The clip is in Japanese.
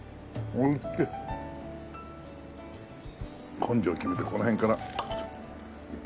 根性決めてこの辺から一発。